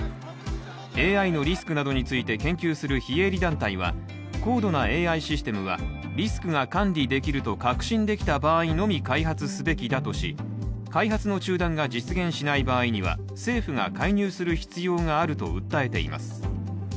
ＡＩのリスクなどについて研究する非営利団体は、高度なＡＩシステムはリスクが管理できると確信できた場合のみ開発すべきだとし、開発の中断が実現しない場合には政府が介入する必要があると訴えています。